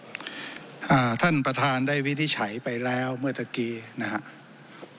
ท่านประธานได้วินิจฉัยไปแล้วเมื่อตะกี้นะครับ